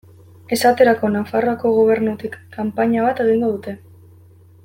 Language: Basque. Esaterako Nafarroako Gobernutik kanpaina bat egingo dute.